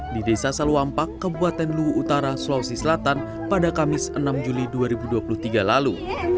di desa salumpak kebuatan luwu utara sulawesi selatan pada kamis enam juli dua ribu dua puluh tiga lalu